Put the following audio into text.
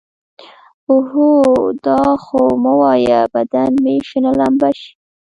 اوهو دا خو مه وايه بدن مې شنه لمبه شي.